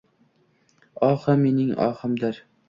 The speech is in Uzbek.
Ohi — mening ohimdir.